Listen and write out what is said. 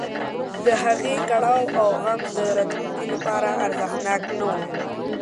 د هغې کړاو او غم د راتلونکي لپاره ارزښتناک نه و.